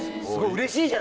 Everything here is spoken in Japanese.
うれしいよ。